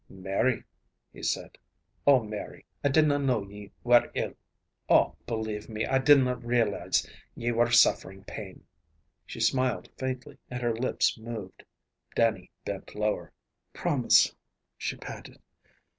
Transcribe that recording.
"Mary" he said, "oh, Mary, I dinna know ye were ill! Oh, believe me, I dinna realize ye were suffering pain." She smiled faintly, and her lips moved. Dannie bent lower. "Promise," she panted.